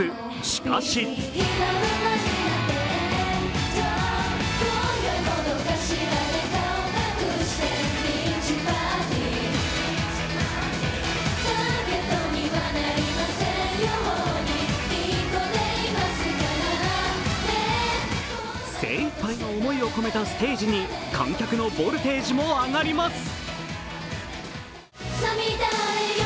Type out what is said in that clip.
しかし精いっぱいの思いを込めたステージに観客のボルテージも上がります。